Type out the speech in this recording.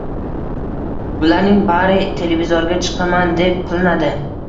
Bularning bari televizorga chiqaman, deb qilinadi